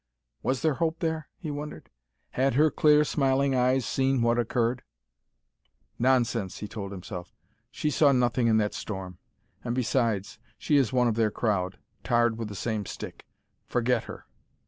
Was there hope there? he wondered. Had her clear, smiling eyes seen what occurred? "Nonsense," he told himself. "She saw nothing in that storm. And, besides, she is one of their crowd tarred with the same stick. Forget her."